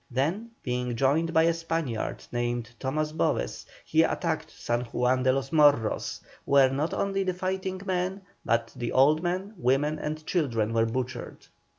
Then being joined by a Spaniard named TOMAS BOVES, he attacked San Juan de los Morros, where not only the fighting men, but the old men, women, and children, were butchered.